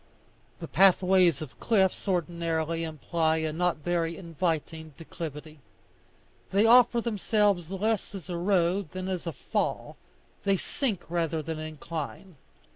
The pathways of cliffs ordinarily imply a not very inviting declivity; they offer themselves less as a road than as a fall; they sink rather than incline.